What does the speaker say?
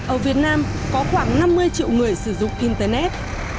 ở việt nam có khoảng năm mươi triệu người sử dụng internet